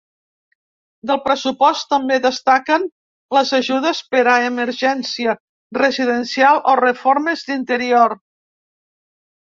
Del pressupost també destaquen les ajudes per a emergència residencial o reformes d’interior.